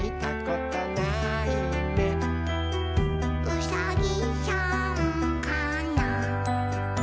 「うさぎさんかな？」